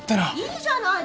いいじゃない？